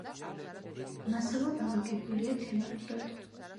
მასალა დალაგებულია თემატურად.